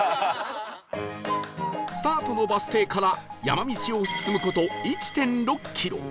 スタートのバス停から山道を進む事 １．６ キロ